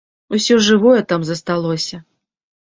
Усё жывое там засталося.